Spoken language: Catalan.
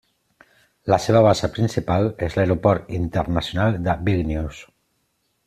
La seva base principal és l'Aeroport Internacional de Vílnius.